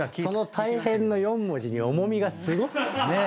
その「大変」の４文字に重みがすごい！